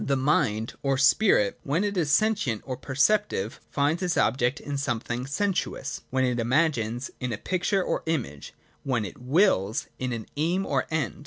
The mind or spirit, when it is sentient or perceptive, finds its object in something sensuous ; when it imagines, in a picture or image ; when it wills, in an aim or end.